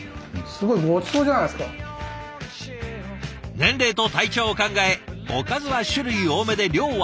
年齢と体調を考えおかずは種類多めで量は少なめ。